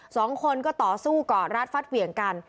สองคนก็ต่อสู้กอดรัดฟัดเหวี่ยงกัน